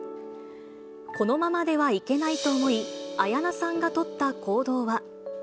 このままではいけないと思い、綾菜さんがとった行動は。